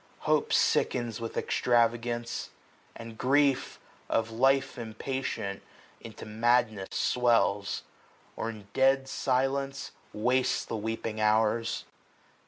Hope sickens with extravagance ; and grief. Of life impatient, into madness swells ; Or in dead silence wastes the weeping hours.